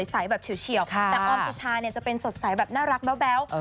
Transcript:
แต่ออมสุชาจะเป็นสดใสแบบน่ารักแบ๊ว